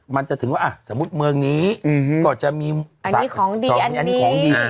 มันจะถึงว่าสมมุติเมืองนี้ก็จะมีอันนี้ของดีอันนี้ของดี